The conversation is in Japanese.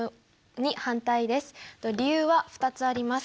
理由は２つあります。